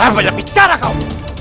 banyak bicara kau